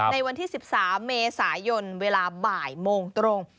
ในวันที่๑๓เมษายนเวลาบ่ายโมงตรง